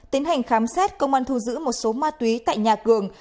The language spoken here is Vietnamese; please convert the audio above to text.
tiến hành khám xét công an thu giữ một số ma túy tại nhà cường